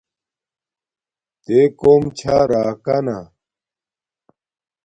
تے کوم چھا راکانا